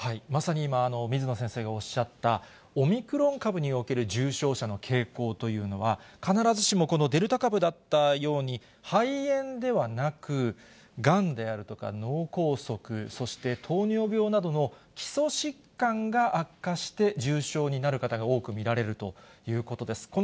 まさに今、水野先生がおっしゃった、オミクロン株における重症者の傾向というのは、必ずしもデルタ株だったように肺炎ではなく、がんであるとか脳梗塞、そして糖尿病などの基礎疾患が悪化して重症になる方が多く見られるということです。